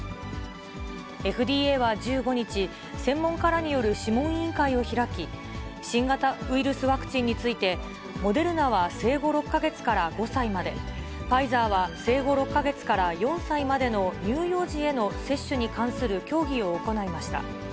ＦＤＡは１５日、専門家らによる諮問委員会を開き、新型ウイルスワクチンについて、モデルナは生後６か月から５歳まで、ファイザーは生後６か月から４歳までの乳幼児への接種に関する協議を行いました。